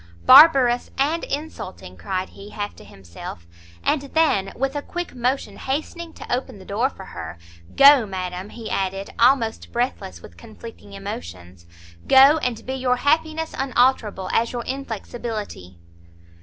"Barbarous, and insulting!" cried he, half to himself; and then, with a quick motion hastening to open the door for her, "Go, madam," he added, almost breathless with conflicting emotions, "go, and be your happiness unalterable as your inflexibility!"